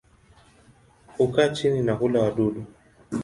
Hukaa chini na hula wadudu.